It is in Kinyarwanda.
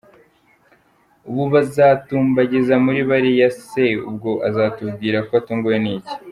Uwo bazatumbagiza muri bariya se ubwo azatubwira ko atunguwe n'iki? .